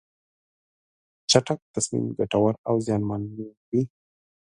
چټک تصمیم ګټور او زیانمن وي.